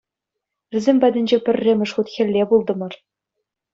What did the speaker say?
Вӗсем патӗнче пӗрремӗш хут хӗлле пултӑмӑр.